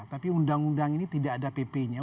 tapi undang undang ini tidak ada pp nya